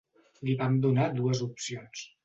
Li vam donar dues opcions.